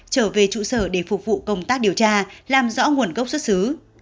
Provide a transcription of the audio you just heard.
trở về trụ sở để phục vụ công tác điều tra làm rõ nguồn gốc xuất xứ